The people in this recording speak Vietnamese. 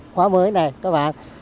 khóa mới này các bạn